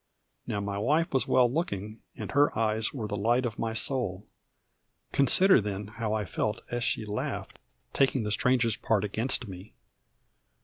Now my wife was well looking, and her eyes were the light of my soul. Consider, then, how I felt as she laughed, taking the Stranger's part against me.